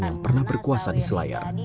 yang pernah berkuasa di selayar